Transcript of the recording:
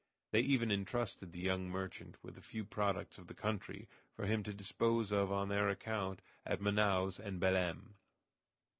They even intrusted the young merchant with a few products of the country for him to dispose of on their account at Manaos and Belem.